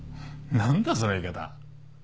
何だその言い方。